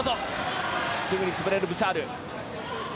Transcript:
すぐに潰れるブシャール。